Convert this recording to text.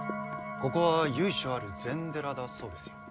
ここは由緒ある禅寺だそうですよ。